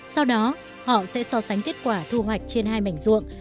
sau đó họ sẽ so sánh kết quả thu hoạch trên hai mảnh ruộng